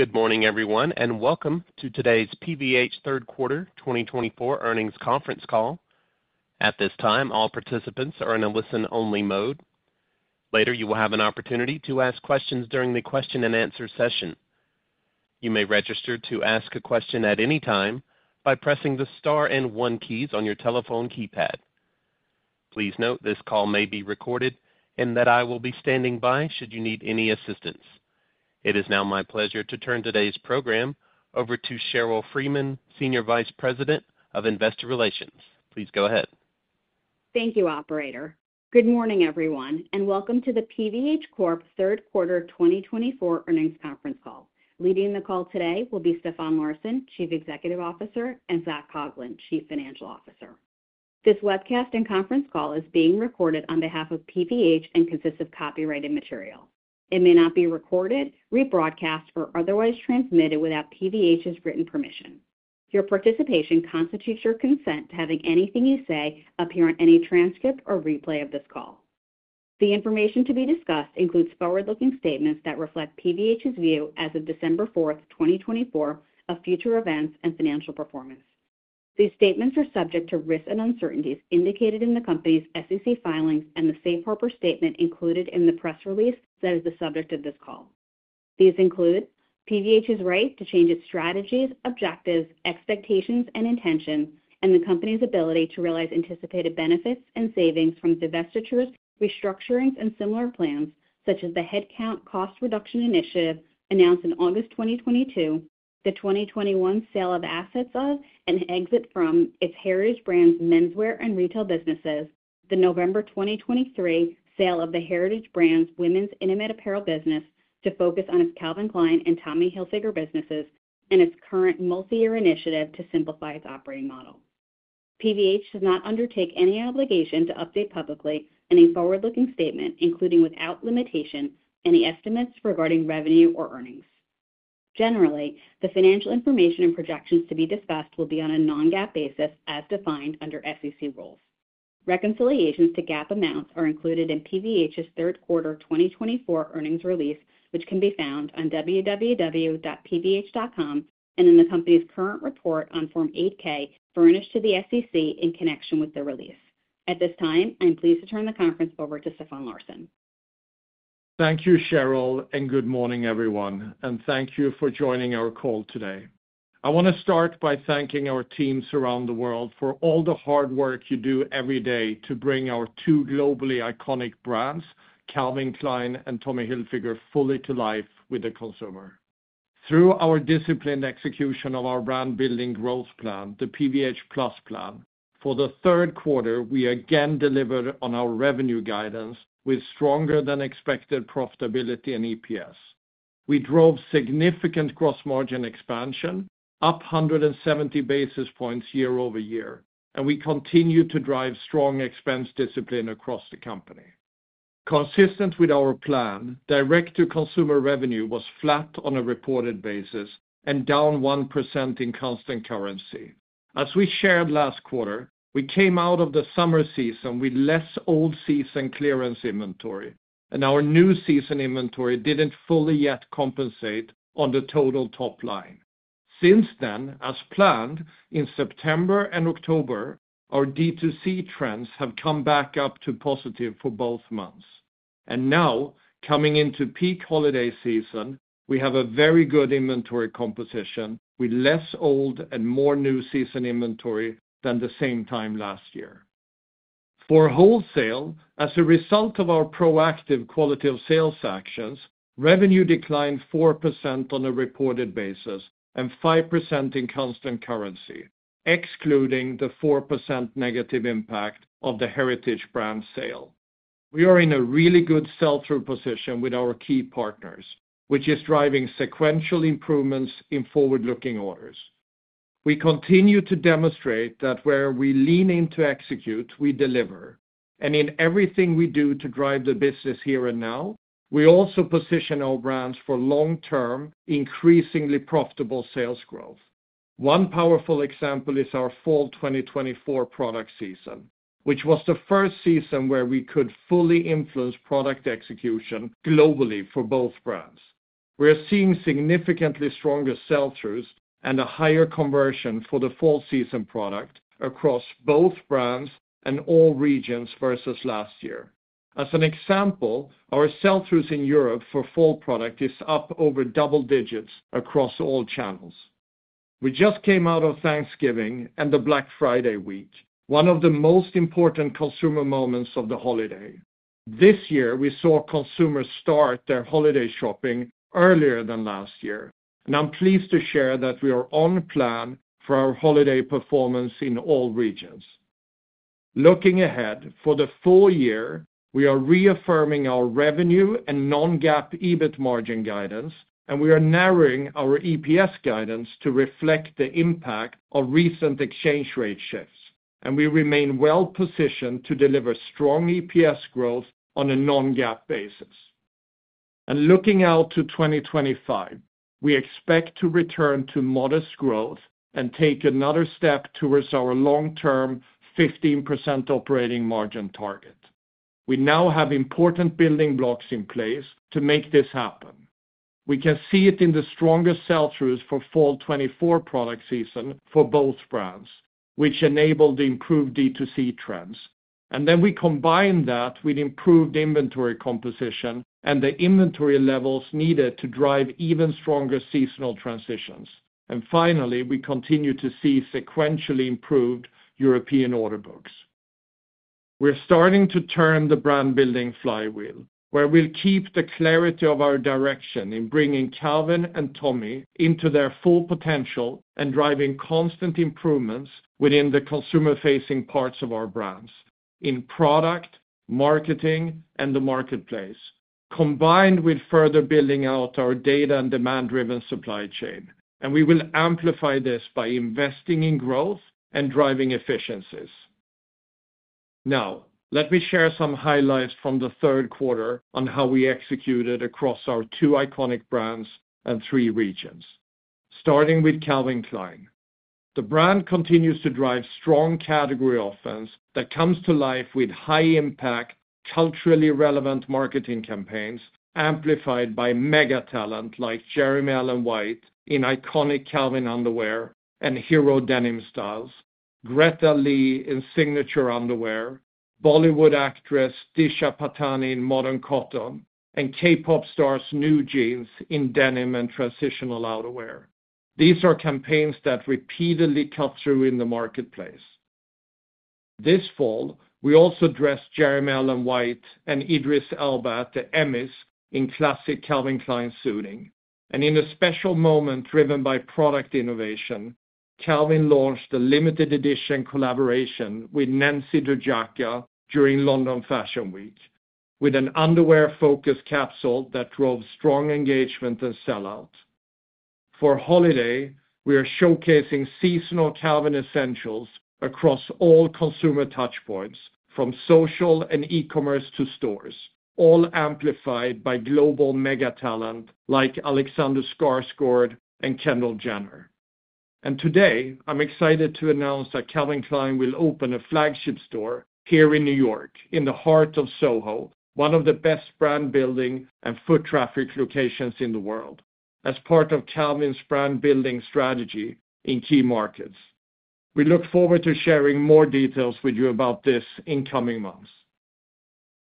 Good morning, everyone, and welcome to today's PVH third quarter 2024 earnings conference call. At this time, all participants are in a listen-only mode. Later, you will have an opportunity to ask questions during the question-and-answer session. You may register to ask a question at any time by pressing the star and one keys on your telephone keypad. Please note this call may be recorded and that I will be standing by should you need any assistance. It is now my pleasure to turn today's program over to Sheryl Freeman, Senior Vice President of Investor Relations. Please go ahead. Thank you, Operator. Good morning, everyone, and welcome to the PVH third quarter 2024 earnings conference call. Leading the call today will be Stefan Larsson, Chief Executive Officer; and Zac Coughlin, Chief Financial Officer. This webcast and conference call is being recorded on behalf of PVH and consists of copyrighted material. It may not be recorded, rebroadcast, or otherwise transmitted without PVH's written permission. Your participation constitutes your consent to having anything you say appear on any transcript or replay of this call. The information to be discussed includes forward-looking statements that reflect PVH's view as of December 4th, 2024, of future events and financial performance. These statements are subject to risks and uncertainties indicated in the company's SEC filings and the Safe Harbor statement included in the press release that is the subject of this call. These include PVH's right to change its strategies, objectives, expectations, and intentions, and the company's ability to realize anticipated benefits and savings from divestitures, restructurings, and similar plans such as the headcount cost reduction initiative announced in August 2022, the 2021 sale of assets of and exit from its Heritage Brands menswear and retail businesses, the November 2023 sale of the Heritage Brands women's intimate apparel business to focus on its Calvin Klein and Tommy Hilfiger businesses, and its current multi-year initiative to simplify its operating model. PVH does not undertake any obligation to update publicly any forward-looking statement, including without limitation, any estimates regarding revenue or earnings. Generally, the financial information and projections to be discussed will be on a non-GAAP basis as defined under SEC rules. Reconciliations to GAAP amounts are included in PVH's third quarter 2024 earnings release, which can be found on www.pvh.com and in the company's current report on Form 8-K furnished to the SEC in connection with the release. At this time, I'm pleased to turn the conference over to Stefan Larsson. Thank you, Sheryl, and good morning, everyone, and thank you for joining our call today. I want to start by thanking our teams around the world for all the hard work you do every day to bring our two globally iconic brands, Calvin Klein and Tommy Hilfiger, fully to life with the consumer. Through our disciplined execution of our brand-building growth plan, the PVH+ Plan, for the third quarter, we again delivered on our revenue guidance with stronger-than-expected profitability and EPS. We drove significant gross margin expansion, up 170 basis points year over year, and we continue to drive strong expense discipline across the company. Consistent with our plan, direct-to-consumer revenue was flat on a reported basis and down 1% in constant currency. As we shared last quarter, we came out of the summer season with less old season clearance inventory, and our new season inventory didn't fully yet compensate on the total top line. Since then, as planned, in September and October, our D2C trends have come back up to positive for both months, and now, coming into peak holiday season, we have a very good inventory composition with less old and more new season inventory than the same time last year. For wholesale, as a result of our proactive quality of sales actions, revenue declined 4% on a reported basis and 5% in constant currency, excluding the 4% negative impact of the Heritage Brand sale. We are in a really good sell-through position with our key partners, which is driving sequential improvements in forward-looking orders. We continue to demonstrate that where we lean in to execute, we deliver. In everything we do to drive the business here and now, we also position our brands for long-term, increasingly profitable sales growth. One powerful example is our Fall 2024 product season, which was the first season where we could fully influence product execution globally for both brands. We are seeing significantly stronger sell-throughs and a higher conversion for the Fall season product across both brands and all regions versus last year. As an example, our sell-throughs in Europe for Fall product is up over double digits across all channels. We just came out of Thanksgiving and the Black Friday week, one of the most important consumer moments of the holiday. This year, we saw consumers start their holiday shopping earlier than last year, and I'm pleased to share that we are on plan for our holiday performance in all regions. Looking ahead for the full year, we are reaffirming our revenue and non-GAAP EBIT margin guidance, and we are narrowing our EPS guidance to reflect the impact of recent exchange rate shifts, and we remain well-positioned to deliver strong EPS growth on a non-GAAP basis, and looking out to 2025, we expect to return to modest growth and take another step towards our long-term 15% operating margin target. We now have important building blocks in place to make this happen. We can see it in the stronger sell-throughs for Fall 2024 product season for both brands, which enable the improved D2C trends, and then we combine that with improved inventory composition and the inventory levels needed to drive even stronger seasonal transitions, and finally, we continue to see sequentially improved European order books. We're starting to turn the brand-building flywheel, where we'll keep the clarity of our direction in bringing Calvin and Tommy into their full potential and driving constant improvements within the consumer-facing parts of our brands in product, marketing, and the marketplace, combined with further building out our data and demand-driven supply chain, and we will amplify this by investing in growth and driving efficiencies. Now, let me share some highlights from the third quarter on how we executed across our two iconic brands and three regions. Starting with Calvin Klein. The brand continues to drive strong category offense that comes to life with high-impact, culturally relevant marketing campaigns amplified by mega talent like Jeremy Allen White in iconic Calvin underwear and Hero Denim styles, Greta Lee in signature underwear, Bollywood actress Disha Patani in Modern Cotton, and K-pop stars NewJeans in denim and transitional outerwear. These are campaigns that repeatedly cut through in the marketplace. This fall, we also dressed Jeremy Allen White and Idris Elba, the Emmys, in classic Calvin Klein suiting. And in a special moment driven by product innovation, Calvin launched a limited-edition collaboration with Nensi Dojaka during London Fashion Week with an underwear-focused capsule that drove strong engagement and sellout. For holiday, we are showcasing seasonal Calvin essentials across all consumer touchpoints, from social and e-commerce to stores, all amplified by global mega talent like Alexander Skarsgård and Kendall Jenner. And today, I'm excited to announce that Calvin Klein will open a flagship store here in New York, in the heart of Soho, one of the best brand-building and foot traffic locations in the world, as part of Calvin's brand-building strategy in key markets. We look forward to sharing more details with you about this in coming months.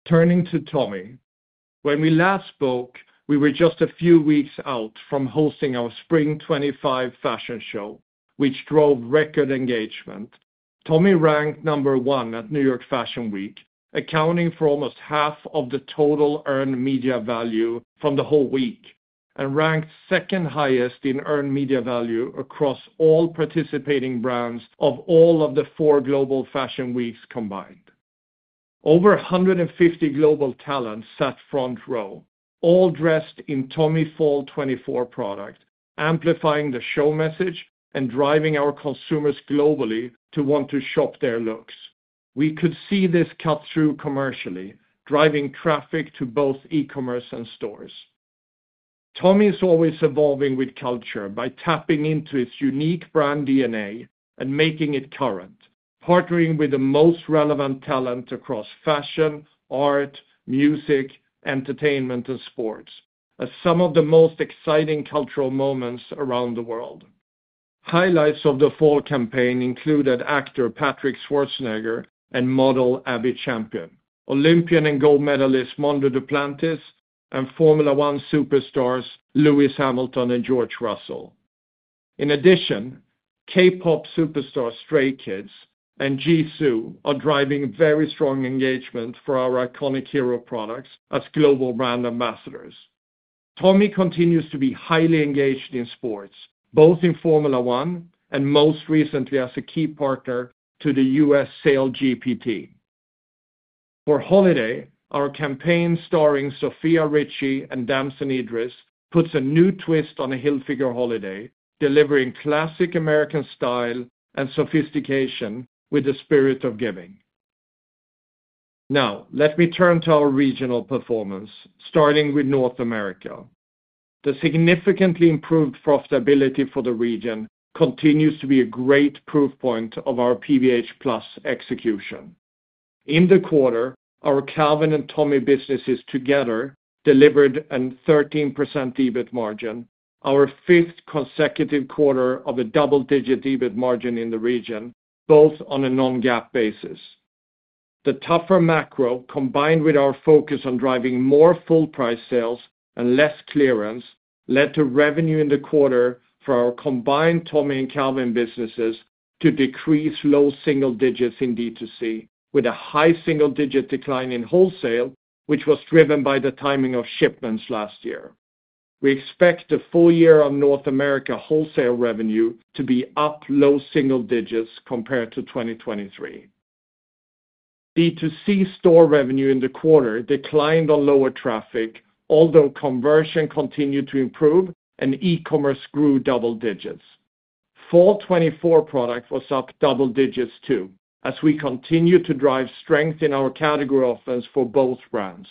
Turning to Tommy. When we last spoke, we were just a few weeks out from hosting our Spring 2025 fashion show, which drove record engagement. Tommy ranked number one at New York Fashion Week, accounting for almost half of the total earned media value from the whole week, and ranked second highest in earned media value across all participating brands of all of the four global fashion weeks combined. Over 150 global talents sat front row, all dressed in Tommy Fall 2024 product, amplifying the show message and driving our consumers globally to want to shop their looks. We could see this cut through commercially, driving traffic to both e-commerce and stores. Tommy is always evolving with culture by tapping into its unique brand DNA and making it current, partnering with the most relevant talent across fashion, art, music, entertainment, and sports as some of the most exciting cultural moments around the world. Highlights of the Fall campaign included actor Patrick Schwarzenegger and model Abby Champion, Olympian and gold medalist Mondo Duplantis, and Formula 1 superstars Lewis Hamilton and George Russell. In addition, K-pop superstars Stray Kids and Jisoo are driving very strong engagement for our iconic hero products as global brand ambassadors. Tommy continues to be highly engaged in sports, both in Formula 1 and most recently as a key partner to the US SailGP Team. For holiday, our campaign starring Sofia Richie and Damson Idris puts a new twist on a Hilfiger holiday, delivering classic American style and sophistication with the spirit of giving. Now, let me turn to our regional performance, starting with North America. The significantly improved profitability for the region continues to be a great proof point of our PVH+ execution. In the quarter, our Calvin and Tommy businesses together delivered a 13% EBIT margin, our fifth consecutive quarter of a double-digit EBIT margin in the region, both on a non-GAAP basis. The tougher macro, combined with our focus on driving more full-price sales and less clearance, led to revenue in the quarter for our combined Tommy and Calvin businesses to decrease low single digits in D2C, with a high single-digit decline in wholesale, which was driven by the timing of shipments last year. We expect the full year on North America wholesale revenue to be up low single digits compared to 2023. D2C store revenue in the quarter declined on lower traffic, although conversion continued to improve and e-commerce grew double digits. Fall 2024 product was up double digits too, as we continued to drive strength in our category offense for both brands,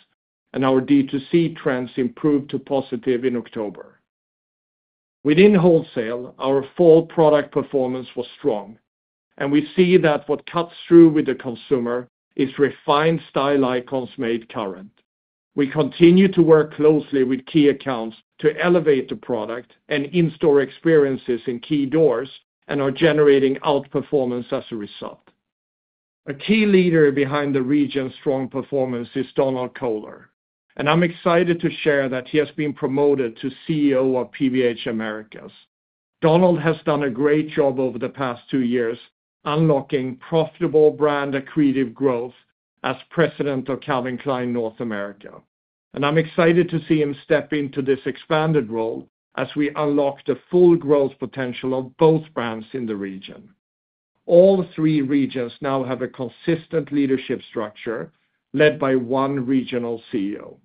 and our D2C trends improved to positive in October. Within wholesale, our Fall product performance was strong, and we see that what cuts through with the consumer is refined style icons made current. We continue to work closely with key accounts to elevate the product and in-store experiences in key doors and are generating outperformance as a result. A key leader behind the region's strong performance is Donald Kohler, and I'm excited to share that he has been promoted to CEO of PVH Americas. Donald has done a great job over the past two years, unlocking profitable brand accretive growth as President of Calvin Klein North America. And I'm excited to see him step into this expanded role as we unlock the full growth potential of both brands in the region. All three regions now have a consistent leadership structure led by one regional CEO.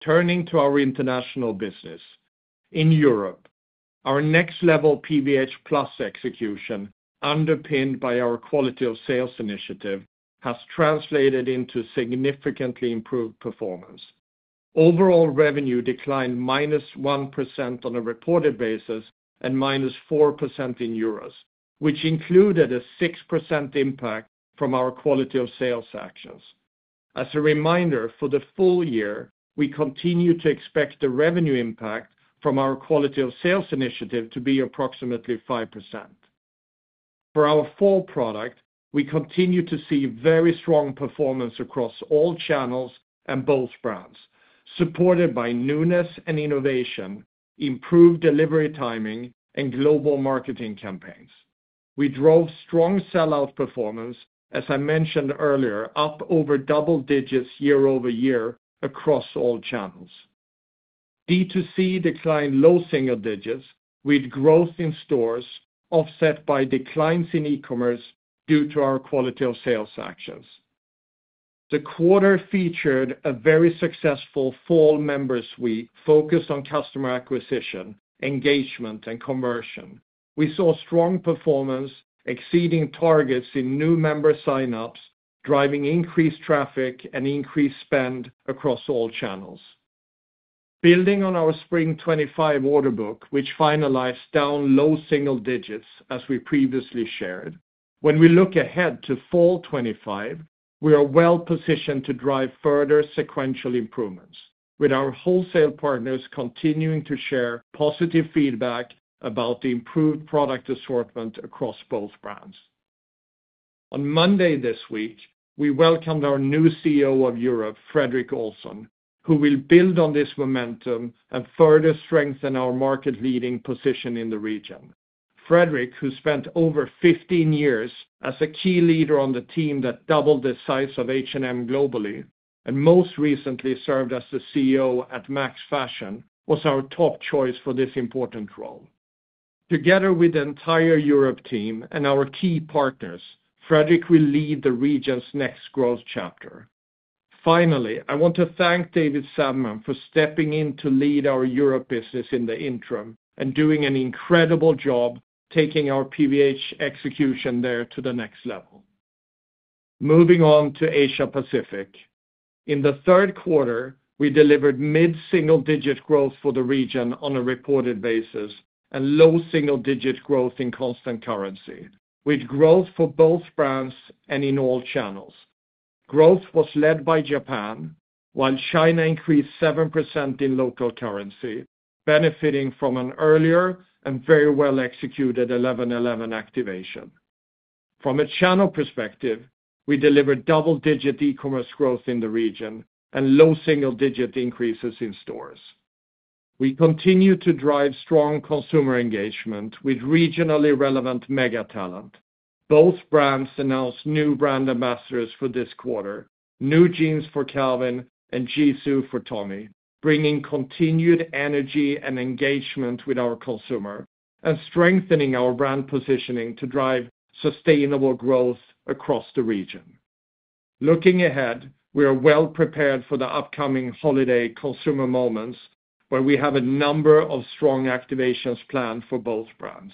Turning to our international business. In Europe, our next-level PVH+ execution, underpinned by our quality of sales initiative, has translated into significantly improved performance. Overall revenue declined -1% on a reported basis and -4% in euros, which included a 6% impact from our quality of sales actions. As a reminder, for the full year, we continue to expect the revenue impact from our quality of sales initiative to be approximately 5%. For our Fall product, we continue to see very strong performance across all channels and both brands, supported by newness and innovation, improved delivery timing, and global marketing campaigns. We drove strong sellout performance, as I mentioned earlier, up over double digits year over year across all channels. D2C declined low single digits with growth in stores, offset by declines in e-commerce due to our quality of sales actions. The quarter featured a very successful Fall Members Week focused on customer acquisition, engagement, and conversion. We saw strong performance, exceeding targets in new member signups, driving increased traffic and increased spend across all channels. Building on our Spring 2025 order book, which finalized down low single digits as we previously shared, when we look ahead to Fall 2025, we are well-positioned to drive further sequential improvements, with our wholesale partners continuing to share positive feedback about the improved product assortment across both brands. On Monday this week, we welcomed our new CEO of Europe, Fredrik Olsson, who will build on this momentum and further strengthen our market-leading position in the region. Fredrik, who spent over 15 years as a key leader on the team that doubled the size of H&M globally and most recently served as the CEO at Max Fashion, was our top choice for this important role. Together with the entire Europe team and our key partners, Fredrik will lead the region's next growth chapter. Finally, I want to thank David Savman for stepping in to lead our Europe business in the interim and doing an incredible job taking our PVH execution there to the next level. Moving on to Asia-Pacific. In the third quarter, we delivered mid-single digit growth for the region on a reported basis and low single digit growth in constant currency, with growth for both brands and in all channels. Growth was led by Japan, while China increased 7% in local currency, benefiting from an earlier and very well-executed 11/11 activation. From a channel perspective, we delivered double-digit e-commerce growth in the region and low single digit increases in stores. We continue to drive strong consumer engagement with regionally relevant mega talent. Both brands announced new brand ambassadors for this quarter, NewJeans for Calvin and Jisoo for Tommy, bringing continued energy and engagement with our consumer and strengthening our brand positioning to drive sustainable growth across the region. Looking ahead, we are well-prepared for the upcoming holiday consumer moments, where we have a number of strong activations planned for both brands.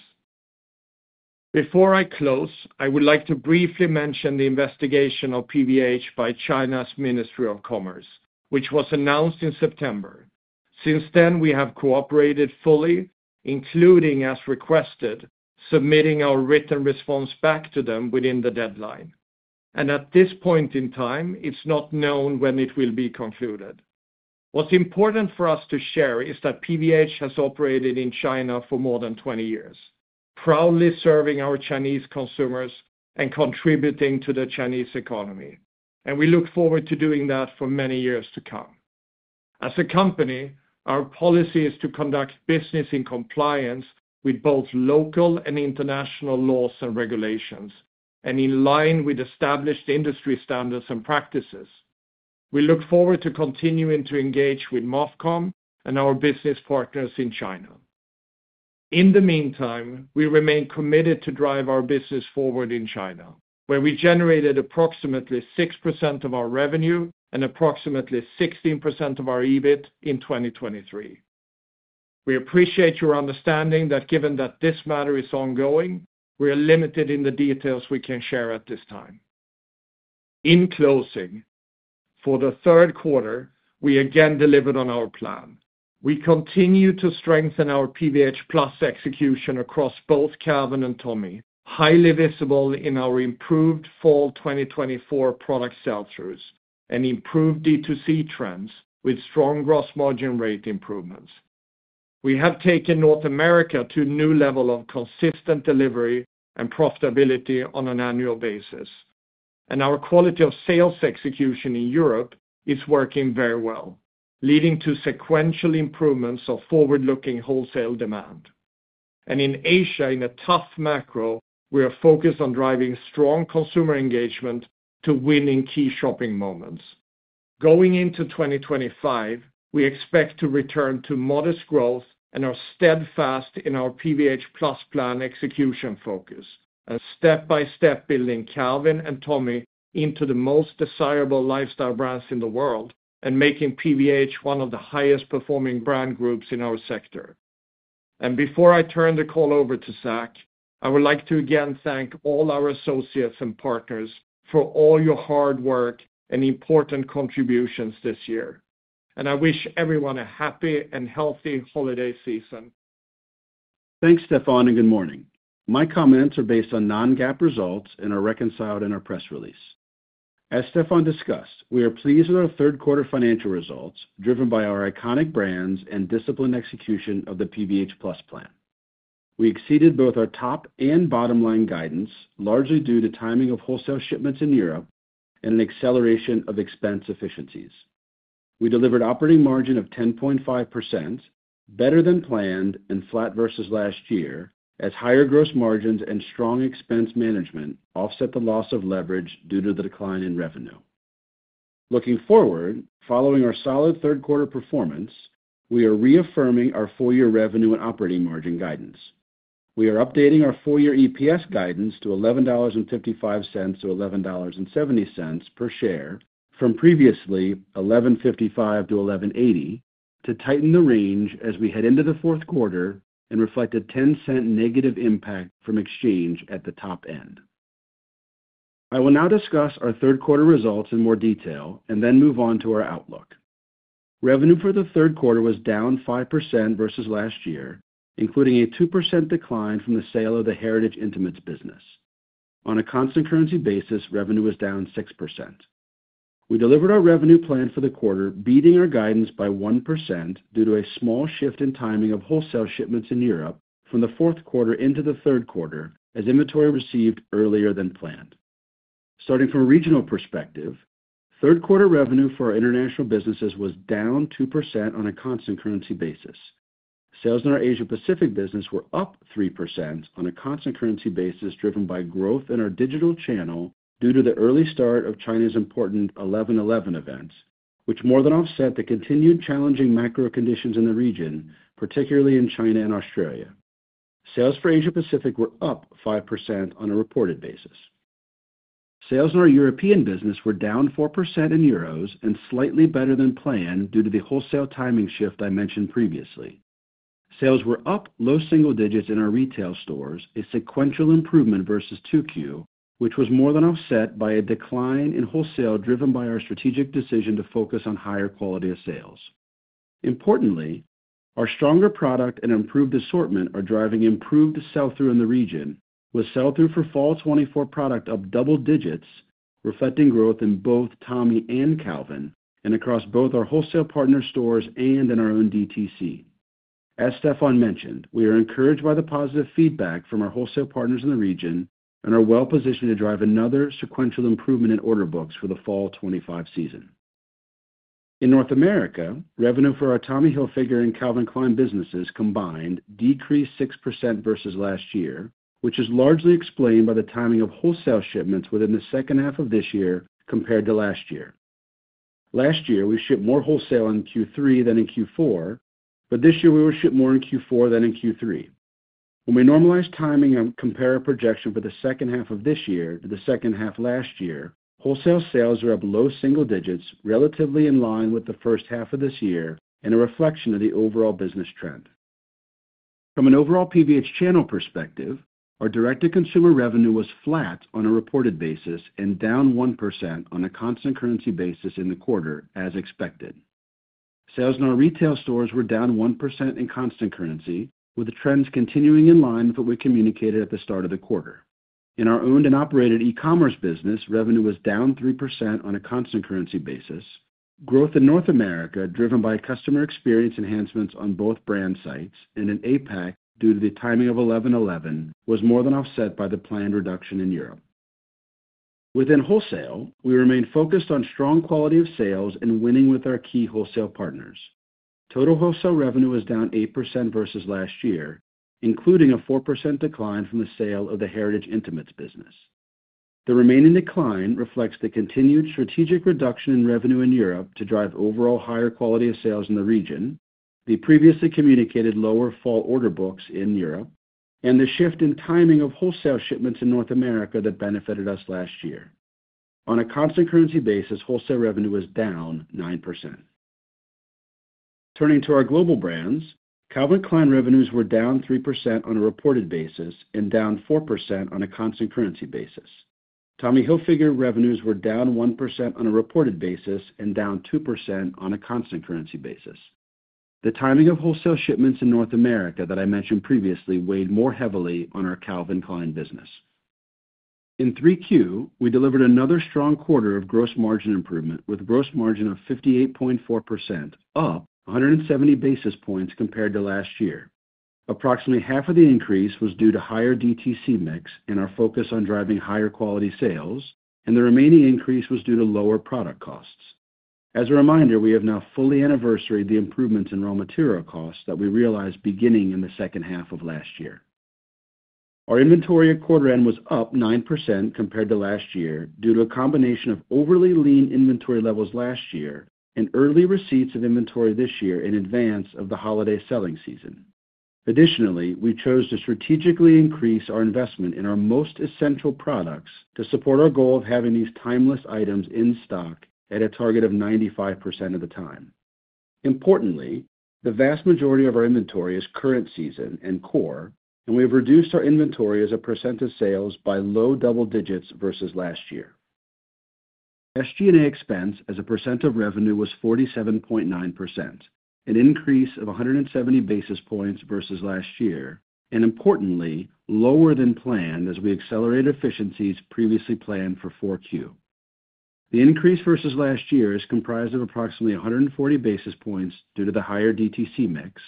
Before I close, I would like to briefly mention the investigation of PVH by China's Ministry of Commerce, which was announced in September. Since then, we have cooperated fully, including as requested, submitting our written response back to them within the deadline, and at this point in time, it's not known when it will be concluded. What's important for us to share is that PVH has operated in China for more than 20 years, proudly serving our Chinese consumers and contributing to the Chinese economy, and we look forward to doing that for many years to come. As a company, our policy is to conduct business in compliance with both local and international laws and regulations, and in line with established industry standards and practices. We look forward to continuing to engage with MOFCOM and our business partners in China. In the meantime, we remain committed to drive our business forward in China, where we generated approximately 6% of our revenue and approximately 16% of our EBIT in 2023. We appreciate your understanding that given that this matter is ongoing, we are limited in the details we can share at this time. In closing, for the third quarter, we again delivered on our plan. We continue to strengthen our PVH+ execution across both Calvin and Tommy, highly visible in our improved Fall 2024 product sales throughs and improved D2C trends with strong gross margin rate improvements. We have taken North America to a new level of consistent delivery and profitability on an annual basis, and our quality of sales execution in Europe is working very well, leading to sequential improvements of forward-looking wholesale demand. In Asia, in a tough macro, we are focused on driving strong consumer engagement to win in key shopping moments. Going into 2025, we expect to return to modest growth and are steadfast in our PVH+ Plan execution focus, and step-by-step building Calvin and Tommy into the most desirable lifestyle brands in the world and making PVH one of the highest-performing brand groups in our sector. Before I turn the call over to Zac, I would like to again thank all our associates and partners for all your hard work and important contributions this year. I wish everyone a happy and healthy holiday season. Thanks, Stefan, and good morning. My comments are based on non-GAAP results and are reconciled in our press release. As Stefan discussed, we are pleased with our third quarter financial results, driven by our iconic brands and disciplined execution of the PVH+ Plan. We exceeded both our top and bottom line guidance, largely due to timing of wholesale shipments in Europe and an acceleration of expense efficiencies. We delivered operating margin of 10.5%, better than planned and flat versus last year, as higher gross margins and strong expense management offset the loss of leverage due to the decline in revenue. Looking forward, following our solid third quarter performance, we are reaffirming our full-year revenue and operating margin guidance. We are updating our full-year EPS guidance to $11.55-$11.70 per share from previously $11.55-$11.80 to tighten the range as we head into the fourth quarter and reflect a 10% negative impact from exchange at the top end. I will now discuss our third quarter results in more detail and then move on to our outlook. Revenue for the third quarter was down 5% versus last year, including a 2% decline from the sale of the Heritage Intimates business. On a constant currency basis, revenue was down 6%. We delivered our revenue plan for the quarter, beating our guidance by 1% due to a small shift in timing of wholesale shipments in Europe from the fourth quarter into the third quarter, as inventory received earlier than planned. Starting from a regional perspective, third quarter revenue for our international businesses was down 2% on a constant currency basis. Sales in our Asia-Pacific business were up 3% on a constant currency basis, driven by growth in our digital channel due to the early start of China's important 11/11 events, which more than offset the continued challenging macro conditions in the region, particularly in China and Australia. Sales for Asia-Pacific were up 5% on a reported basis. Sales in our European business were down 4% in euros and slightly better than planned due to the wholesale timing shift I mentioned previously. Sales were up low single digits in our retail stores, a sequential improvement versus 2Q, which was more than offset by a decline in wholesale driven by our strategic decision to focus on higher quality of sales. Importantly, our stronger product and improved assortment are driving improved sell-through in the region, with sell-through for Fall 2024 product up double digits, reflecting growth in both Tommy and Calvin, and across both our wholesale partner stores and in our own DTC. As Stefan mentioned, we are encouraged by the positive feedback from our wholesale partners in the region and are well-positioned to drive another sequential improvement in order books for the Fall 2025 season. In North America, revenue for our Tommy Hilfiger and Calvin Klein businesses combined decreased 6% versus last year, which is largely explained by the timing of wholesale shipments within the second half of this year compared to last year. Last year, we shipped more wholesale in Q3 than in Q4, but this year we will ship more in Q4 than in Q3. When we normalize timing and compare our projection for the second half of this year to the second half last year, wholesale sales were up low single digits, relatively in line with the first half of this year and a reflection of the overall business trend. From an overall PVH channel perspective, our direct-to-consumer revenue was flat on a reported basis and down 1% on a constant currency basis in the quarter, as expected. Sales in our retail stores were down 1% in constant currency, with the trends continuing in line that we communicated at the start of the quarter. In our owned and operated e-commerce business, revenue was down 3% on a constant currency basis. Growth in North America, driven by customer experience enhancements on both brand sites and in APAC due to the timing of 11/11, was more than offset by the planned reduction in Europe. Within wholesale, we remain focused on strong quality of sales and winning with our key wholesale partners. Total wholesale revenue was down 8% versus last year, including a 4% decline from the sale of the Heritage Intimates business. The remaining decline reflects the continued strategic reduction in revenue in Europe to drive overall higher quality of sales in the region, the previously communicated lower Fall order books in Europe, and the shift in timing of wholesale shipments in North America that benefited us last year. On a constant currency basis, wholesale revenue was down 9%. Turning to our global brands, Calvin Klein revenues were down 3% on a reported basis and down 4% on a constant currency basis. Tommy Hilfiger revenues were down 1% on a reported basis and down 2% on a constant currency basis. The timing of wholesale shipments in North America that I mentioned previously weighed more heavily on our Calvin Klein business. In 3Q, we delivered another strong quarter of gross margin improvement, with gross margin of 58.4%, up 170 basis points compared to last year. Approximately half of the increase was due to higher DTC mix and our focus on driving higher quality sales, and the remaining increase was due to lower product costs. As a reminder, we have now fully anniversaried the improvements in raw material costs that we realized beginning in the second half of last year. Our inventory at quarter was up 9% compared to last year due to a combination of overly lean inventory levels last year and early receipts of inventory this year in advance of the holiday selling season. Additionally, we chose to strategically increase our investment in our most essential products to support our goal of having these timeless items in stock at a target of 95% of the time. Importantly, the vast majority of our inventory is current season and core, and we have reduced our inventory as a percent of sales by low double digits versus last year. SG&A expense as a percent of revenue was 47.9%, an increase of 170 basis points versus last year, and importantly, lower than planned as we accelerated efficiencies previously planned for 4Q. The increase versus last year is comprised of approximately 140 basis points due to the higher DTC mix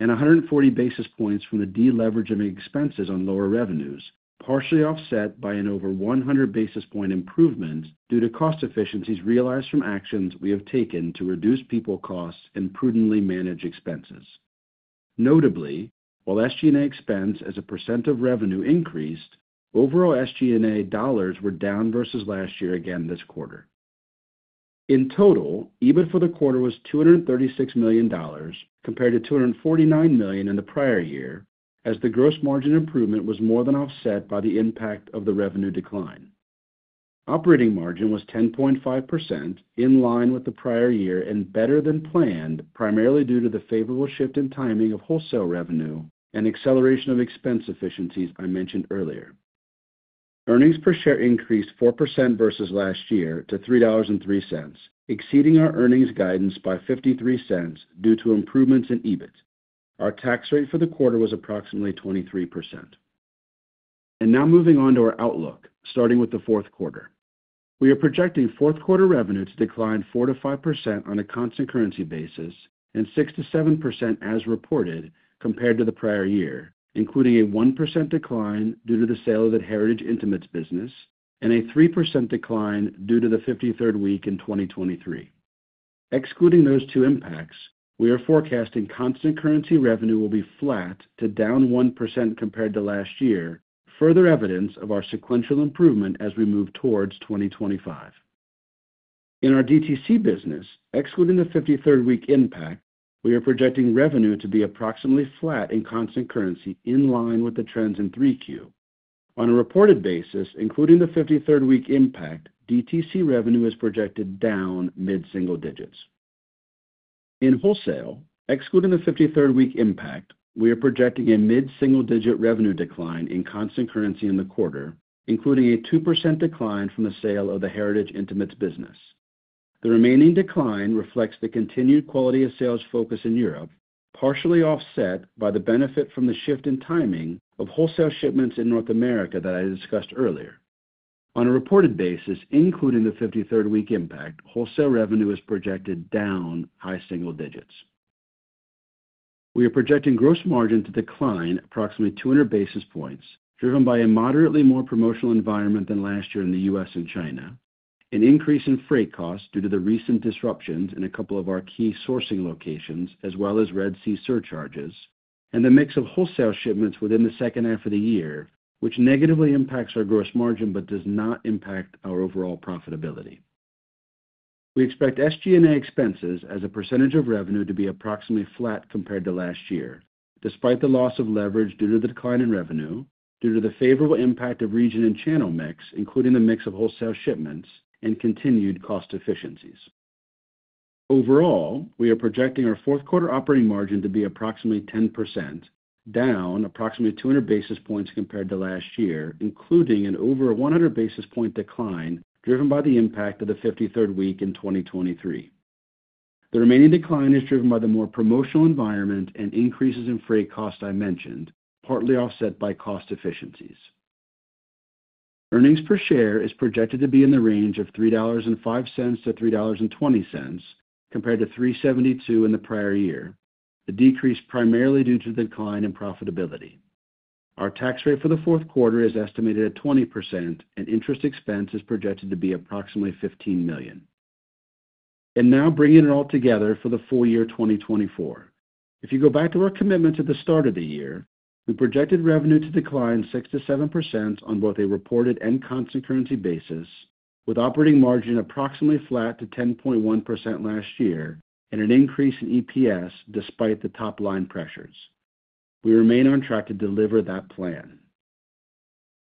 and 140 basis points from the deleveraging of expenses on lower revenues, partially offset by an over 100 basis points improvement due to cost efficiencies realized from actions we have taken to reduce people costs and prudently manage expenses. Notably, while SG&A expense as a percent of revenue increased, overall SG&A dollars were down versus last year again this quarter. In total, EBIT for the quarter was $236 million compared to $249 million in the prior year, as the gross margin improvement was more than offset by the impact of the revenue decline. Operating margin was 10.5%, in line with the prior year and better than planned, primarily due to the favorable shift in timing of wholesale revenue and acceleration of expense efficiencies I mentioned earlier. Earnings per share increased 4% versus last year to $3.03, exceeding our earnings guidance by $0.53 due to improvements in EBIT. Our tax rate for the quarter was approximately 23%. And now moving on to our outlook, starting with the fourth quarter. We are projecting fourth quarter revenues to decline 4%-5% on a constant currency basis and 6%-7% as reported compared to the prior year, including a 1% decline due to the sale of the Heritage Intimates business and a 3% decline due to the 53rd week in 2023. Excluding those two impacts, we are forecasting constant currency revenue will be flat to down 1% compared to last year, further evidence of our sequential improvement as we move towards 2025. In our DTC business, excluding the 53rd week impact, we are projecting revenue to be approximately flat in constant currency, in line with the trends in 3Q. On a reported basis, including the 53rd week impact, DTC revenue is projected down mid-single digits. In wholesale, excluding the 53rd week impact, we are projecting a mid-single digit revenue decline in constant currency in the quarter, including a 2% decline from the sale of the Heritage Intimates business. The remaining decline reflects the continued quality of sales focus in Europe, partially offset by the benefit from the shift in timing of wholesale shipments in North America that I discussed earlier. On a reported basis, including the 53rd week impact, wholesale revenue is projected down high single digits. We are projecting gross margin to decline approximately 200 basis points, driven by a moderately more promotional environment than last year in the U.S. and China, an increase in freight costs due to the recent disruptions in a couple of our key sourcing locations, as well as Red Sea surcharges, and the mix of wholesale shipments within the second half of the year, which negatively impacts our gross margin but does not impact our overall profitability. We expect SG&A expenses as a percentage of revenue to be approximately flat compared to last year, despite the loss of leverage due to the decline in revenue, due to the favorable impact of region and channel mix, including the mix of wholesale shipments and continued cost efficiencies. Overall, we are projecting our fourth quarter operating margin to be approximately 10%, down approximately 200 basis points compared to last year, including an over 100 basis point decline driven by the impact of the 53rd week in 2023. The remaining decline is driven by the more promotional environment and increases in freight costs I mentioned, partly offset by cost efficiencies. Earnings per share is projected to be in the range of $3.05-$3.20 compared to $3.72 in the prior year, a decrease primarily due to the decline in profitability. Our tax rate for the fourth quarter is estimated at 20%, and interest expense is projected to be approximately $15 million, and now bringing it all together for the full year 2024. If you go back to our commitment at the start of the year, we projected revenue to decline 6-7% on both a reported and constant currency basis, with operating margin approximately flat to 10.1% last year and an increase in EPS despite the top line pressures. We remain on track to deliver that plan.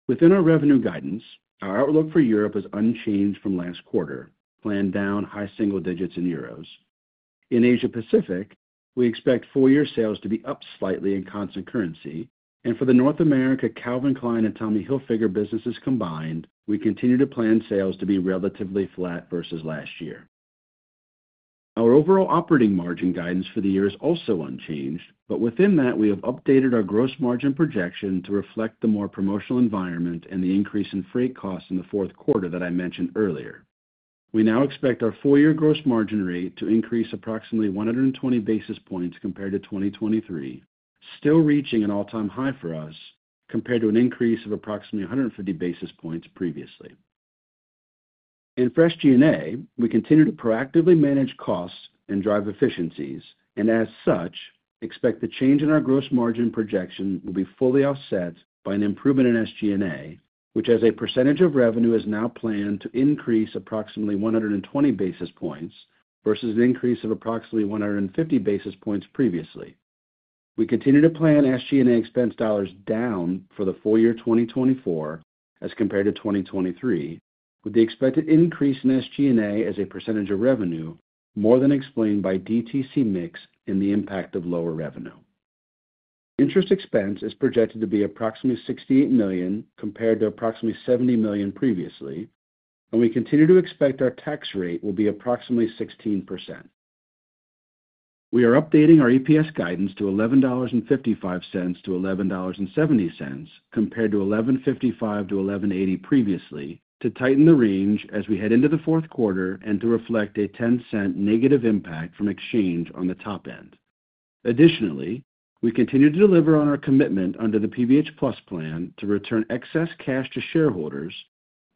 Within our revenue guidance, our outlook for Europe is unchanged from last quarter, planned down high single digits in euros. In Asia-Pacific, we expect full year sales to be up slightly in constant currency, and for the North America, Calvin Klein and Tommy Hilfiger businesses combined, we continue to plan sales to be relatively flat versus last year. Our overall operating margin guidance for the year is also unchanged, but within that, we have updated our gross margin projection to reflect the more promotional environment and the increase in freight costs in the fourth quarter that I mentioned earlier. We now expect our full year gross margin rate to increase approximately 120 basis points compared to 2023, still reaching an all-time high for us compared to an increase of approximately 150 basis points previously. In G&A, we continue to proactively manage costs and drive efficiencies, and as such, expect the change in our gross margin projection will be fully offset by an improvement in SG&A, which has a percentage of revenue is now planned to increase approximately 120 basis points versus an increase of approximately 150 basis points previously. We continue to plan SG&A expense dollars down for the full year 2024 as compared to 2023, with the expected increase in SG&A as a percentage of revenue more than explained by DTC mix and the impact of lower revenue. Interest expense is projected to be approximately $68 million compared to approximately $70 million previously, and we continue to expect our tax rate will be approximately 16%. We are updating our EPS guidance to $11.55-$11.70 compared to $11.55-$11.80 previously, to tighten the range as we head into the fourth quarter and to reflect a $0.10 negative impact from exchange on the top end. Additionally, we continue to deliver on our commitment under the PVH+ Plan to return excess cash to shareholders,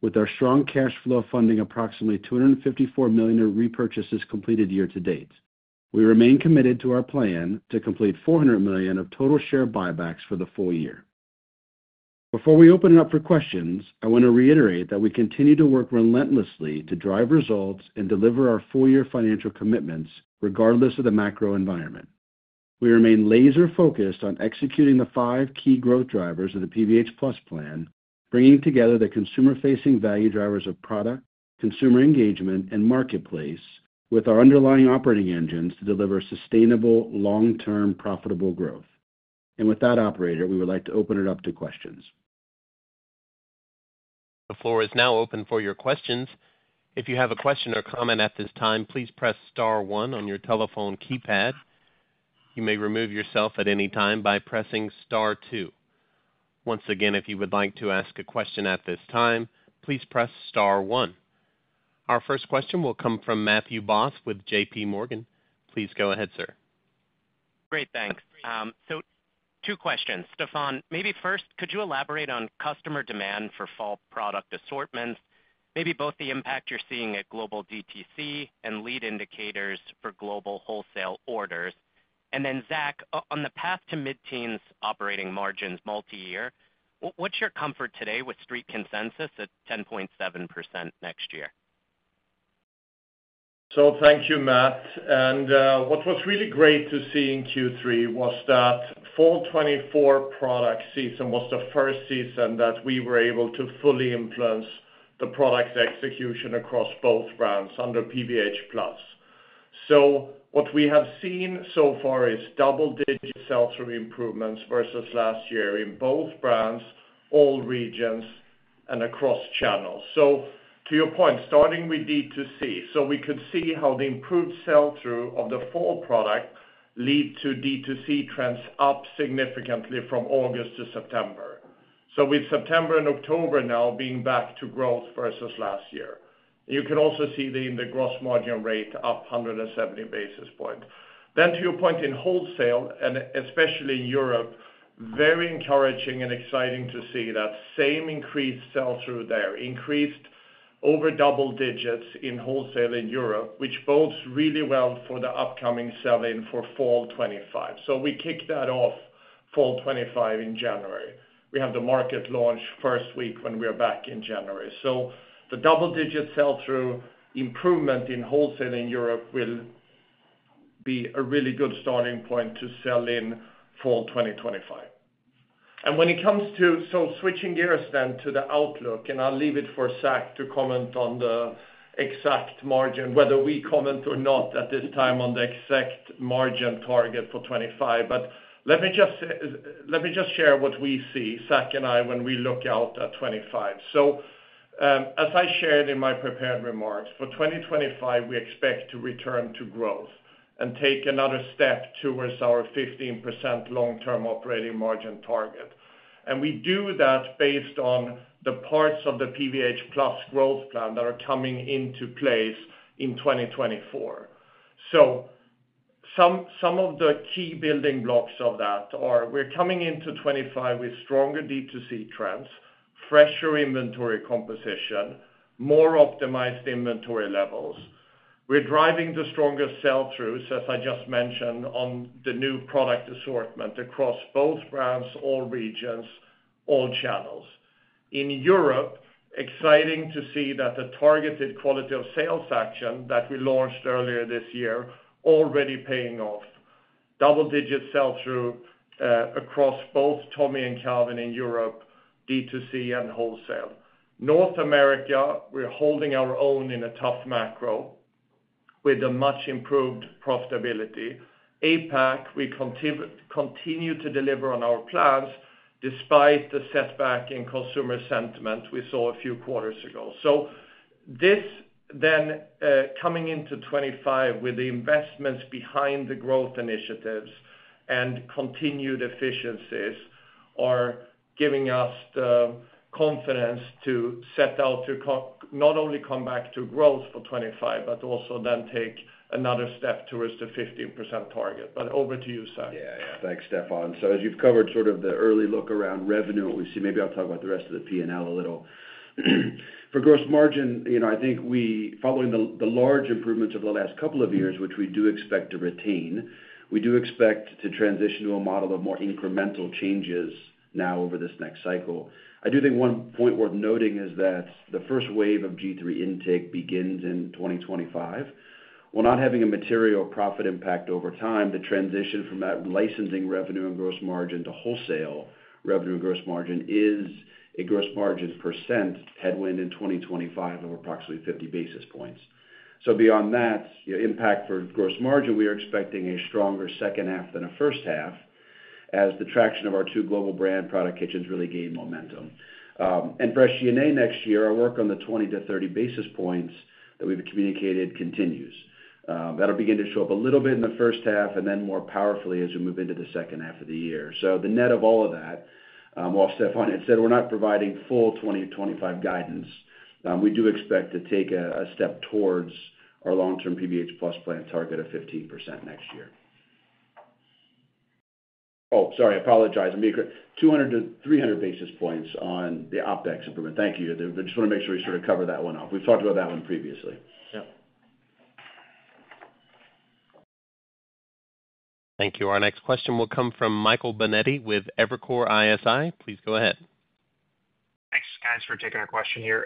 with our strong cash flow funding approximately $254 million in repurchases completed year to date. We remain committed to our plan to complete $400 million of total share buybacks for the full year. Before we open it up for questions, I want to reiterate that we continue to work relentlessly to drive results and deliver our full year financial commitments regardless of the macro environment. We remain laser-focused on executing the five key growth drivers of the PVH+ Plan, bringing together the consumer-facing value drivers of product, consumer engagement, and marketplace, with our underlying operating engines to deliver sustainable, long-term profitable growth. And with that, operator, we would like to open it up to questions. The floor is now open for your questions. If you have a question or comment at this time, please press Star one on your telephone keypad. You may remove yourself at any time by pressing Star two. Once again, if you would like to ask a question at this time, please press Star one. Our first question will come from Matthew Boss with JPMorgan. Please go ahead, sir. Great, thanks. So two questions. Stefan, maybe first, could you elaborate on customer demand for fall product assortments, maybe both the impact you're seeing at global DTC and lead indicators for global wholesale orders? And then Zac, on the path to mid-teens operating margins multi-year, what's your comfort today with street consensus at 10.7% next year? So thank you, Matt. And what was really great to see in Q3 was that Fall 2024 product season was the first season that we were able to fully influence the product execution across both brands under PVH+. So what we have seen so far is double-digit sell-through improvements versus last year in both brands, all regions, and across channels. So to your point, starting with DTC, so we could see how the improved sell-through of the fall product led to DTC trends up significantly from August to September. So with September and October now being back to growth versus last year, you can also see that in the gross margin rate up 170 basis points. Then to your point in wholesale, and especially in Europe, very encouraging and exciting to see that same increased sell-through there, increased over double digits in wholesale in Europe, which bodes really well for the upcoming sell-in for Fall 2025. So we kick that off Fall 2025 in January. We have the market launch first week when we are back in January. So the double-digit sell-through improvement in wholesale in Europe will be a really good starting point to sell in Fall 2025. And when it comes to, so switching gears then to the outlook, and I'll leave it for Zac to comment on the exact margin, whether we comment or not at this time on the exact margin target for 2025, but let me just share what we see, Zac and I, when we look out at 2025. So as I shared in my prepared remarks, for 2025, we expect to return to growth and take another step towards our 15% long-term operating margin target. And we do that based on the parts of the PVH+ Plan that are coming into place in 2024. So some of the key building blocks of that are, we're coming into 2025 with stronger D2C trends, fresher inventory composition, more optimized inventory levels. We're driving the stronger sell-throughs, as I just mentioned, on the new product assortment across both brands, all regions, all channels. In Europe, exciting to see that the targeted quality of sales action that we launched earlier this year is already paying off. Double-digit sell-through across both Tommy and Calvin in Europe, D2C and wholesale. North America, we're holding our own in a tough macro with a much improved profitability. APAC, we continue to deliver on our plans despite the setback in consumer sentiment we saw a few quarters ago. So this then coming into 2025 with the investments behind the growth initiatives and continued efficiencies are giving us the confidence to set out to not only come back to growth for 2025, but also then take another step towards the 15% target. But over to you, Zac. Yeah, yeah. Thanks, Stefan. So as you've covered sort of the early look around revenue, we see maybe I'll talk about the rest of the P&L a little. For gross margin, I think we, following the large improvements of the last couple of years, which we do expect to retain, we do expect to transition to a model of more incremental changes now over this next cycle. I do think one point worth noting is that the first wave of G-III intake begins in 2025. While not having a material profit impact over time, the transition from that licensing revenue and gross margin to wholesale revenue and gross margin is a gross margin percent headwind in 2025 of approximately 50 basis points, so beyond that impact for gross margin, we are expecting a stronger second half than a first half as the traction of our two global brand product engines really gain momentum, and for SG&A next year, our work on the 20 to 30 basis points that we've communicated continues. That'll begin to show up a little bit in the first half and then more powerfully as we move into the second half of the year. So the net of all of that, while Stefan had said we're not providing full 2025 guidance, we do expect to take a step towards our long-term PVH+ Plan target of 15% next year. Oh, sorry, I apologize. I mean, 200-300 basis points on the OpEx improvement. Thank you. I just want to make sure we sort of cover that one off. We've talked about that one previously. Yep. Thank you. Our next question will come from Michael Binetti with Evercore ISI. Please go ahead. Thanks, guys, for taking our question here.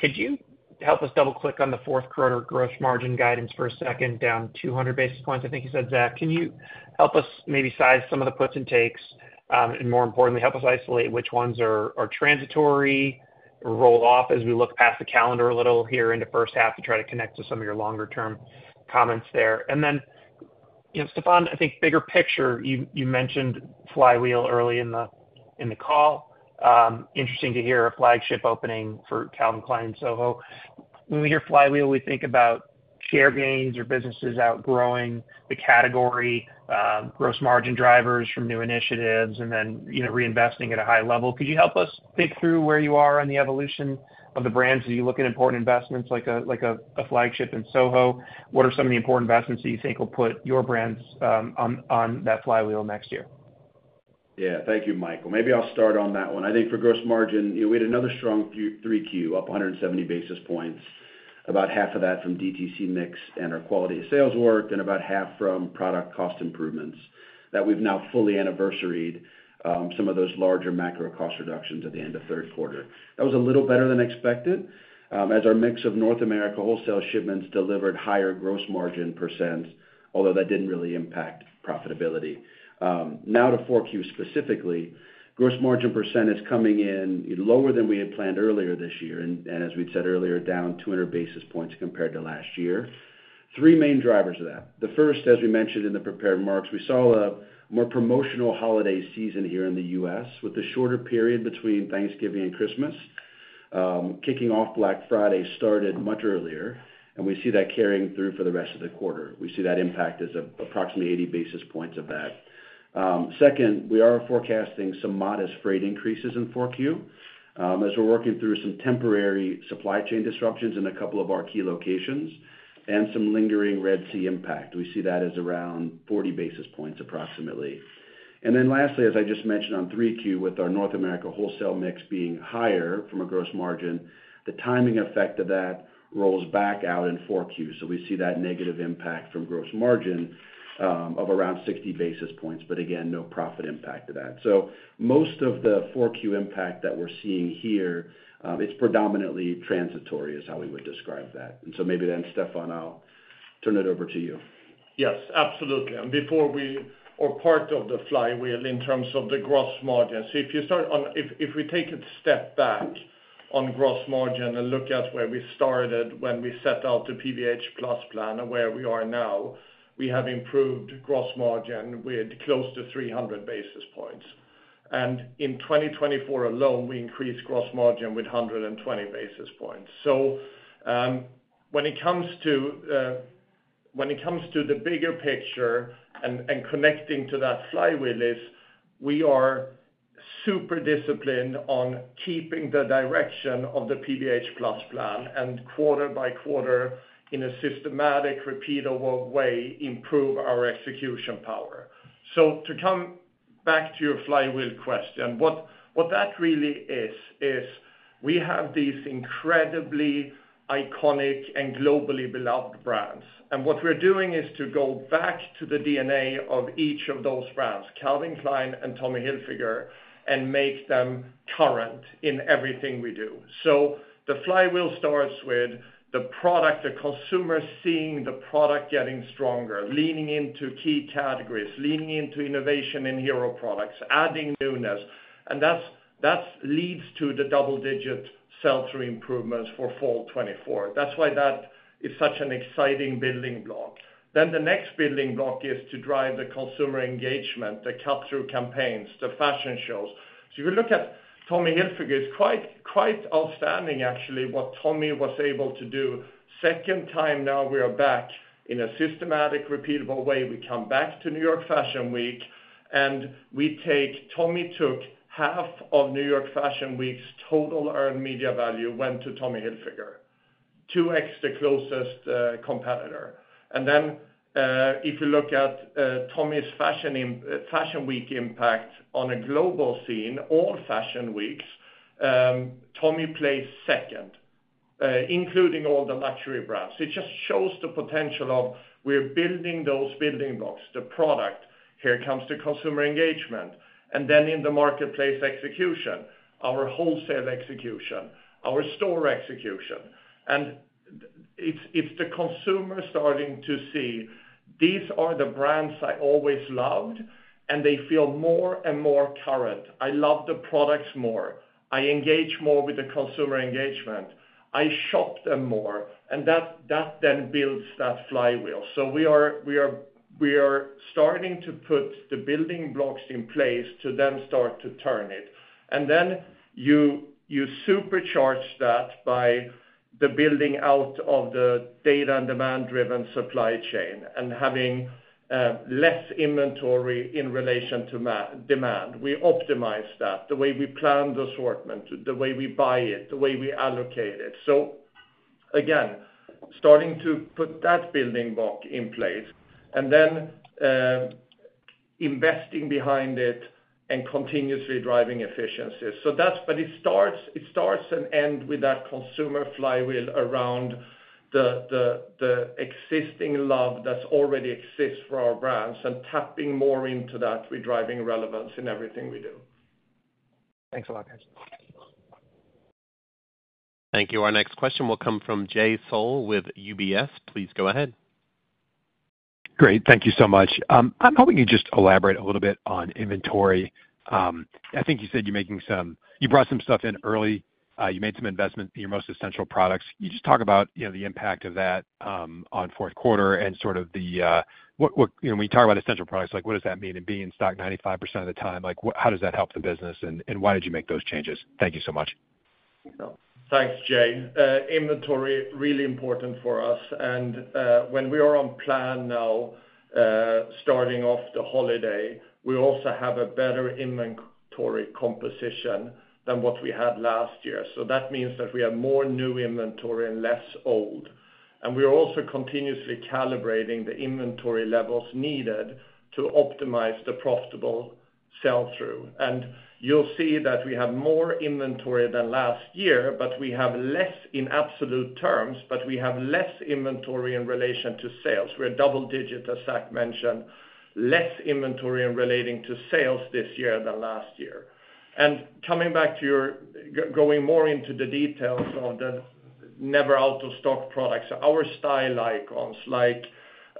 Could you help us double-click on the fourth quarter gross margin guidance for a second, down 200 basis points? I think you said, Zac, can you help us maybe size some of the puts and takes and, more importantly, help us isolate which ones are transitory or roll off as we look past the calendar a little here into first half to try to connect to some of your longer-term comments there? And then, Stefan, I think bigger picture, you mentioned Flywheel early in the call. Interesting to hear a flagship opening for Calvin Klein and Soho. When we hear Flywheel, we think about share gains or businesses outgrowing the category, gross margin drivers from new initiatives, and then reinvesting at a high level. Could you help us think through where you are on the evolution of the brands? Are you looking at important investments like a flagship in Soho? What are some of the important investments that you think will put your brands on that Flywheel next year? Yeah, thank you, Michael. Maybe I'll start on that one. I think for gross margin, we had another strong Q3 up 170 basis points, about half of that from DTC mix and our quality of sales work, and about half from product cost improvements that we've now fully anniversaried some of those larger macro cost reductions at the end of third quarter. That was a little better than expected as our mix of North America wholesale shipments delivered higher gross margin percent, although that didn't really impact profitability. Now to 4Q specifically, gross margin % is coming in lower than we had planned earlier this year, and as we'd said earlier, down 200 basis points compared to last year. Three main drivers of that. The first, as we mentioned in the prepared remarks, we saw a more promotional holiday season here in the U.S. with a shorter period between Thanksgiving and Christmas. Kicking off Black Friday started much earlier, and we see that carrying through for the rest of the quarter. We see that impact as approximately 80 basis points of that. Second, we are forecasting some modest freight increases in 4Q as we're working through some temporary supply chain disruptions in a couple of our key locations and some lingering Red Sea impact. We see that as around 40 basis points approximately. And then lastly, as I just mentioned on 3Q, with our North America wholesale mix being higher from a gross margin, the timing effect of that rolls back out in 4Q. We see that negative impact from gross margin of around 60 basis points, but again, no profit impact to that. Most of the 4Q impact that we're seeing here, it's predominantly transitory is how we would describe that. Maybe then, Stefan, I'll turn it over to you. Yes, absolutely. Before we are part of the Flywheel in terms of the gross margin, so if you start on, if we take a step back on gross margin and look at where we started when we set out the PVH+ Plan and where we are now, we have improved gross margin with close to 300 basis points. In 2024 alone, we increased gross margin with 120 basis points. So when it comes to the bigger picture and connecting to that Flywheel, we are super disciplined on keeping the direction of the PVH+ Plan and, quarter by quarter, in a systematic, repeatable way, improve our execution power. So to come back to your Flywheel question, what that really is is we have these incredibly iconic and globally beloved brands. And what we're doing is to go back to the DNA of each of those brands, Calvin Klein and Tommy Hilfiger, and make them current in everything we do. So the Flywheel starts with the product, the consumer seeing the product getting stronger, leaning into key categories, leaning into innovation in hero products, adding newness. And that leads to the double-digit sell-through improvements for Fall 2024. That's why that is such an exciting building block. Then the next building block is to drive the consumer engagement, the cut-through campaigns, the fashion shows. So if you look at Tommy Hilfiger, it's quite outstanding actually what Tommy was able to do. Second time now we are back in a systematic, repeatable way. We come back to New York Fashion Week, and Tommy took half of New York Fashion Week's total earned media value, which went to Tommy Hilfiger, 2x the closest competitor. And then if you look at Tommy's Fashion Week impact on a global scene, all fashion weeks, Tommy places second, including all the luxury brands. It just shows the potential of what we're building, those building blocks. The product here comes to consumer engagement, and then in the marketplace execution, our wholesale execution, our store execution. And it's the consumer starting to see these are the brands I always loved, and they feel more and more current. I love the products more. I engage more with the consumer engagement. I shop them more. And that then builds that Flywheel. So we are starting to put the building blocks in place to then start to turn it. And then you supercharge that by the building out of the data and demand-driven supply chain and having less inventory in relation to demand. We optimize that the way we plan the assortment, the way we buy it, the way we allocate it. So again, starting to put that building block in place and then investing behind it and continuously driving efficiencies. So that's what it starts and ends with that consumer flywheel around the existing love that already exists for our brands and tapping more into that with driving relevance in everything we do. Thanks a lot, guys. Thank you. Our next question will come from Jay Sole with UBS. Please go ahead. Great. Thank you so much. I'm hoping you just elaborate a little bit on inventory. I think you said you're making some, you brought some stuff in early. You made some investments in your most essential products. Can you just talk about the impact of that on fourth quarter and sort of, when you talk about essential products, what does that mean in being in stock 95% of the time? How does that help the business, and why did you make those changes? Thank you so much. Thanks, Jay. Inventory, really important for us. And when we are on plan now, starting off the holiday, we also have a better inventory composition than what we had last year. So that means that we have more new inventory and less old. And we are also continuously calibrating the inventory levels needed to optimize the profitable sell-through. And you'll see that we have more inventory than last year, but we have less in absolute terms, but we have less inventory in relation to sales. We're double-digit, as Zac mentioned, less inventory in relating to sales this year than last year. And coming back to your going more into the details of the never-out-of-stock products, our style icons like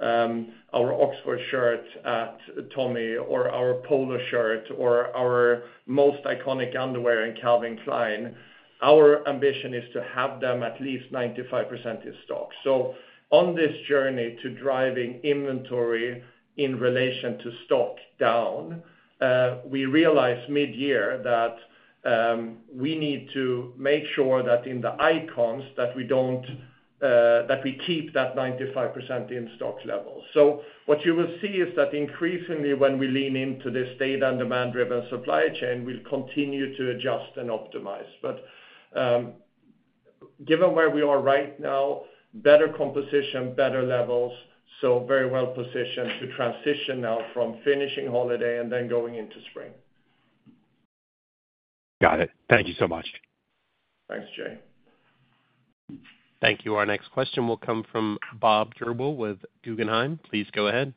our Oxford shirt at Tommy or our polo shirt or our most iconic underwear in Calvin Klein, our ambition is to have them at least 95% in stock. So on this journey to driving inventory in relation to stock down, we realized mid-year that we need to make sure that in the icons that we keep that 95% in stock level. So what you will see is that increasingly when we lean into this data and demand-driven supply chain, we'll continue to adjust and optimize. But given where we are right now, better composition, better levels, so very well positioned to transition now from finishing holiday and then going into spring. Got it. Thank you so much. Thanks, Jay. Thank you. Our next question will come from Bob Drbul with Guggenheim. Please go ahead.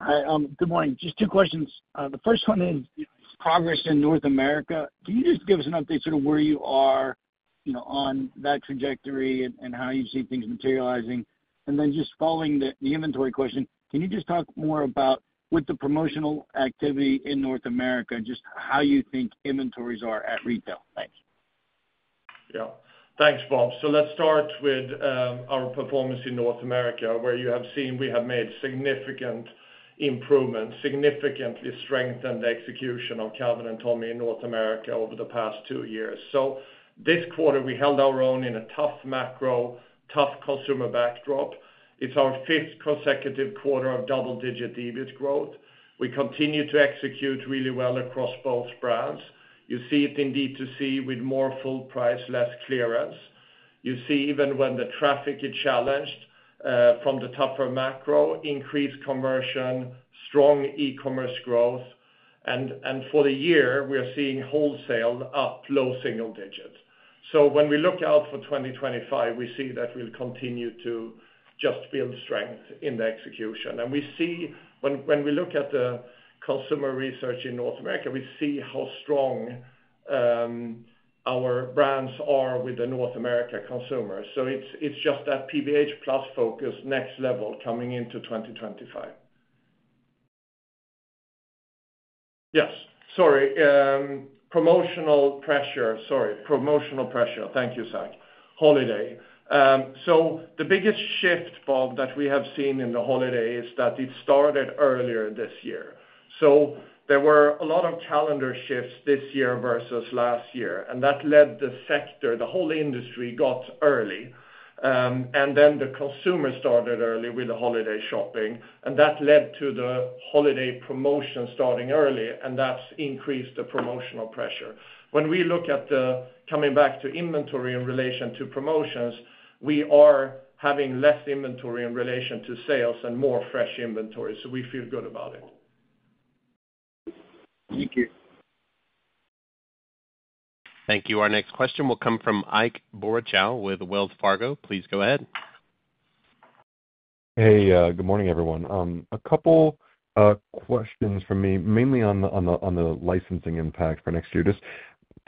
Hi. Good morning. Just two questions. The first one is progress in North America. Can you just give us an update sort of where you are on that trajectory and how you see things materializing? Just following the inventory question, can you just talk more about, with the promotional activity in North America, just how you think inventories are at retail? Thanks. Yeah. Thanks, Bob. Let's start with our performance in North America, where you have seen we have made significant improvements, significantly strengthened the execution of Calvin and Tommy in North America over the past two years. This quarter, we held our own in a tough macro, tough consumer backdrop. It's our fifth consecutive quarter of double-digit revenue growth. We continue to execute really well across both brands. You see it in D2C with more full price, less clearance. You see even when the traffic is challenged from the tougher macro, increased conversion, strong e-commerce growth. And for the year, we are seeing wholesale up low single digits. So when we look out for 2025, we see that we'll continue to just build strength in the execution. And we see when we look at the consumer research in North America, we see how strong our brands are with the North America consumers. So it's just that PVH+ focus next level coming into 2025. Yes. Sorry. Promotional pressure. Thank you, Zac. Holiday. So the biggest shift, Bob, that we have seen in the holiday is that it started earlier this year. So there were a lot of calendar shifts this year versus last year. And that led the sector, the whole industry got early. And then the consumer started early with the holiday shopping. And that led to the holiday promotion starting early, and that's increased the promotional pressure. When we look at the coming back to inventory in relation to promotions, we are having less inventory in relation to sales and more fresh inventory. So we feel good about it. Thank you. Our next question will come from Ike Boruchow with Wells Fargo. Please go ahead. Hey, good morning, everyone. A couple of questions for me, mainly on the licensing impact for next year. Just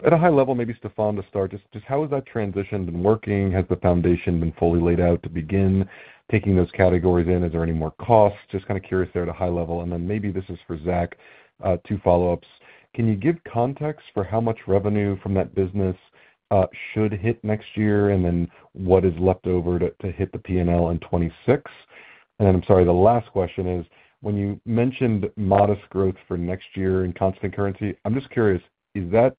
at a high level, maybe Stefan to start, just how has that transition been working? Has the foundation been fully laid out to begin taking those categories in? Is there any more costs? Just kind of curious there at a high level. And then maybe this is for Zac, two follow-ups. Can you give context for how much revenue from that business should hit next year, and then what is left over to hit the P&L in 2026? And then I'm sorry, the last question is, when you mentioned modest growth for next year in constant currency, I'm just curious, is that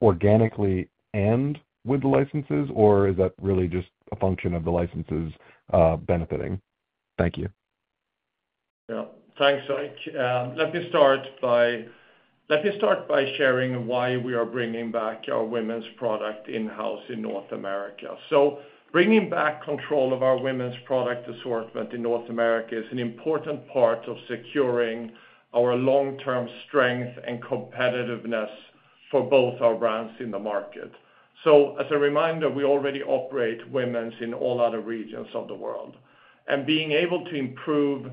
organically and with the licenses, or is that really just a function of the licenses benefiting? Thank you. Yeah. Thanks, Ike. Let me start by sharing why we are bringing back our women's product in-house in North America. So bringing back control of our women's product assortment in North America is an important part of securing our long-term strength and competitiveness for both our brands in the market. So as a reminder, we already operate women's in all other regions of the world. And being able to improve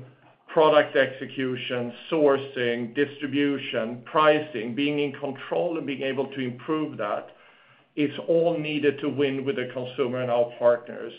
product execution, sourcing, distribution, pricing, being in control and being able to improve that, it's all needed to win with the consumer and our partners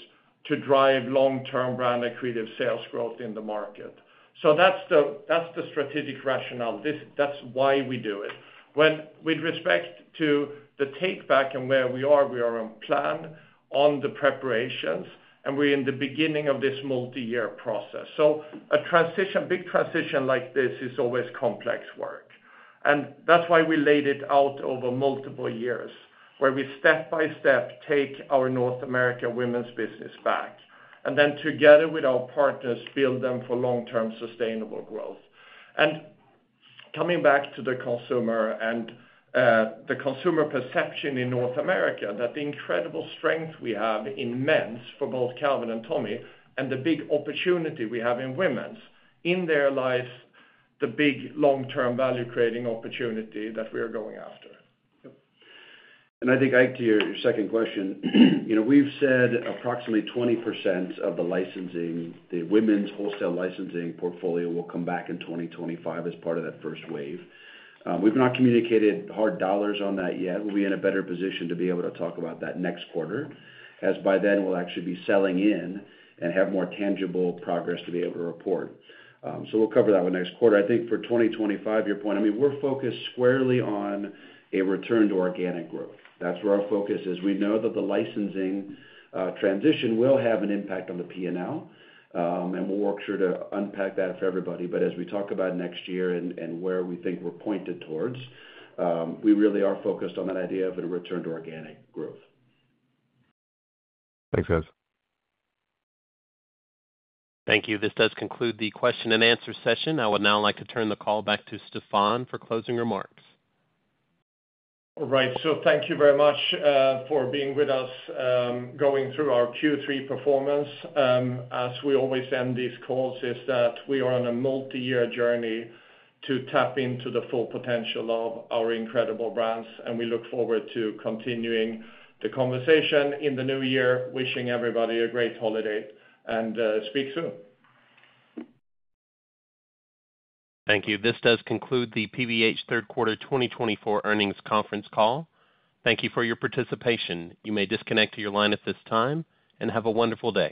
to drive long-term brand-accretive sales growth in the market. So that's the strategic rationale. That's why we do it. With respect to the take back and where we are, we are on plan, on the preparations, and we're in the beginning of this multi-year process. So a big transition like this is always complex work. And that's why we laid it out over multiple years, where we step by step take our North America women's business back, and then together with our partners, build them for long-term sustainable growth. And coming back to the consumer and the consumer perception in North America, that incredible strength we have, immense for both Calvin and Tommy, and the big opportunity we have in women's in their lives, the big long-term value-creating opportunity that we are going after. I think, Ike, to your second question, we've said approximately 20% of the women's wholesale licensing portfolio will come back in 2025 as part of that first wave. We've not communicated hard dollars on that yet. We'll be in a better position to be able to talk about that next quarter, as by then we'll actually be selling in and have more tangible progress to be able to report. So we'll cover that with next quarter. I think for 2025, your point, I mean, we're focused squarely on a return to organic growth. That's where our focus is. We know that the licensing transition will have an impact on the P&L, and we'll work through to unpack that for everybody. But as we talk about next year and where we think we're pointed towards, we really are focused on that idea of a return to organic growth. Thanks, guys. Thank you. This does conclude the question and answer session. I would now like to turn the call back to Stefan for closing remarks. Right, so thank you very much for being with us, going through our third quarter performance. As we always end these calls, is that we are on a multi-year journey to tap into the full potential of our incredible brands, and we look forward to continuing the conversation in the new year, wishing everybody a great holiday, and speak soon. Thank you. This does conclude the PVH third quarter 2024 earnings conference call. Thank you for your participation. You may disconnect from your line at this time and have a wonderful day.